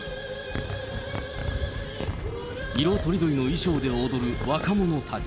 色とりどりの衣装で踊る若者たち。